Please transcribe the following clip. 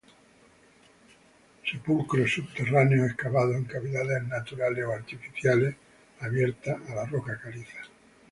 Sepulcros subterráneos excavados en cavidades naturales o artificiales abiertas a la roca caliza.